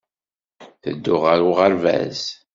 Tedduɣ ɣer uɣerbaz